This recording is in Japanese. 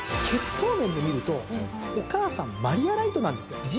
血統面で見るとお母さんマリアライトなんですよ。